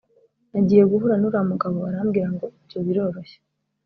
nagiye guhura nuriya mugabo arambwira ngo ibyo biroroshye